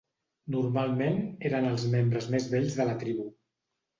Normalment eren els membres més vells de la tribu.